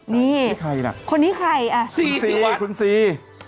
นี่คนนี่ใครน่ะคุณซีวันคุณซี